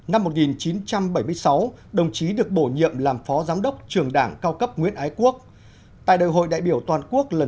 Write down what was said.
năm một nghìn chín trăm bảy mươi sáu đồng chí được bổ nhiệm làm phó giám đốc trường đảng cao cấp nguyễn ái quốc